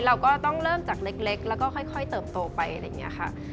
เราก็ต้องเริ่มจากเล็กแล้วก็ค่อยเติบโตไปอะไรอย่างนี้ค่ะ